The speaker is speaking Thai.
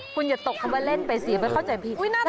คุณอย่าตกคำว่าเล่นไปสิมันเข้าใจผิดอุ๊ยน่ารัก